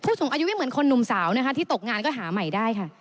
สูงอายุไม่เหมือนคนหนุ่มสาวนะคะที่ตกงานก็หาใหม่ได้ค่ะ